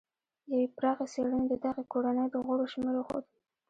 یوې پراخې څېړنې د دغې کورنۍ د غړو شمېر وښود.